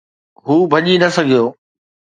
هو ڀڄي نه سگهيو.